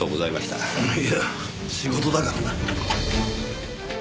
いや仕事だからな。